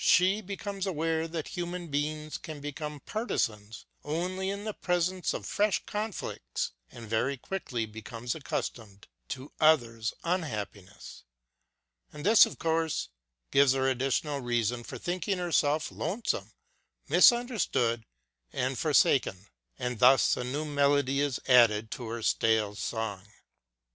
She becomes aware that human beings can become partisans only in the presence of fresh conflicts and very quickly become accustomed to others' unhappiness. And this, of course, gives her additional reason for think ing herself lonesome, misunderstood, and for saken, and thus a new melody is added to her stale song.